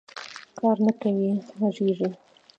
کار نه کوې غږېږې